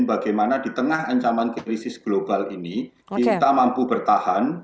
bagaimana di tengah ancaman krisis global ini kita mampu bertahan